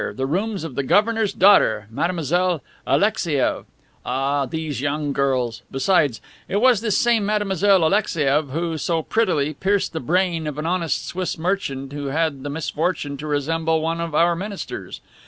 The rooms of the governor's daughter, Mademoiselle Alexeieiv. Ah, these young girls! Besides, it was this same Mademoiselle Alexeieiv who, so prettily, pierced the brain of an honest Swiss merchant who had the misfortune to resemble one of our ministers.